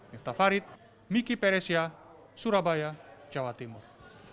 miftah farid miki peresia surabaya jawa timur